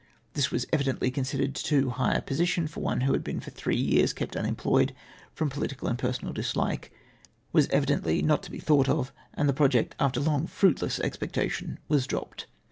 This was evidently considered too high a position for one who had been for three years kept unemployed from political and personal dishke, was evidently not to be thought of, and the project after long fruitless expectation was dropped.